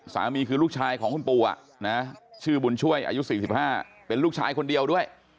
สามีคือลูกชายของคุณปู่ชื่อบุญช่วยอายุ๔๕เป็นลูกชายคนเดียวด้วย